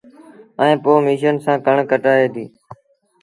ائيٚݩ پو ميشن سآݩ ڪڻڪ ڪڍآئي دو